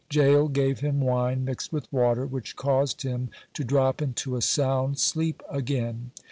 Jael gave him wine mixed with water, which caused him to drop into a sound sleep again.